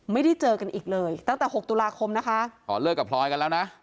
ไม่ได้เจอกันอีกเลยตั้งแต่หกตุลาคมนะคะอ๋อเลิกกับพลอยกันแล้วนะ